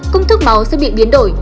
công thức máu sẽ bị biến đổi